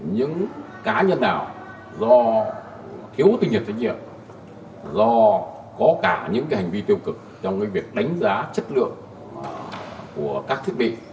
những cá nhân nào do thiếu tiêu nhiệt do có cả những hành vi tiêu cực trong việc đánh giá chất lượng của các thiết bị